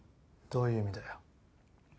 どういう意味だよ？